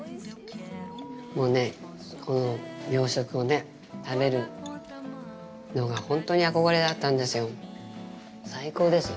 もうね、この洋食を食べるのが本当に憧れだったんですよ。